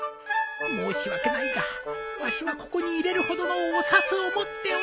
申し訳ないがわしはここに入れるほどのお札を持っておらん